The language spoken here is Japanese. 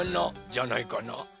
じゃないかな？